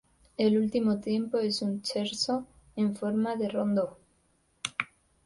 El último tiempo es un Scherzo en forma de rondó.